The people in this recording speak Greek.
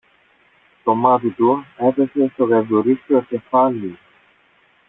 Το μάτι του έπεσε στο γαϊδουρίσιο κεφάλι.